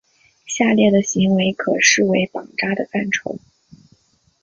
下列的行为可视为绑扎的范畴。